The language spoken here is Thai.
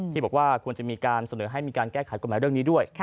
ที่บอกว่าควรจะมีการเสนอให้มีการแก้ไขกฎหมายเรื่องนี้ด้วย